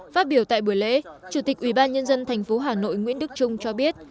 phát biểu tại buổi lễ chủ tịch ủy ban nhân dân thành phố hà nội nguyễn đức trung cho biết